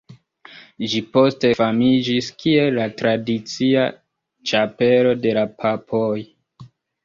Ĝi poste famiĝis kiel la tradicia ĉapelo de la papoj.